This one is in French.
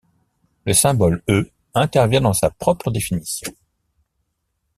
Le symbole E intervient dans sa propre définition.